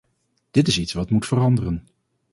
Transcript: Dit is iets wat moet veranderen.